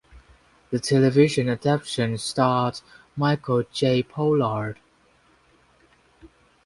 The television adaption starred Michael J. Pollard.